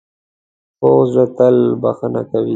پوخ زړه تل بښنه کوي